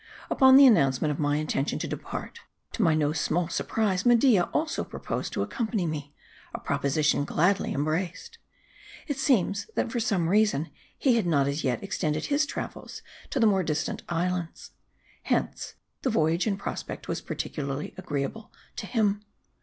Upon the announcement of my intention to depart, to my no small surprise Media also proposed to accompany me : a proposition gladly embraced. It seems, that for some rea son, he had not as yet extended his travels to the more distant islands. Hence the voyage in prospect was particu larly agreeable to him.